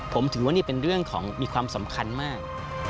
ผมถือว่านี่เป็นเรื่องของมีความสำคัญมาก